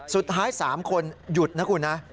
สุดท้าย๓คนหยุดนะคุณนะ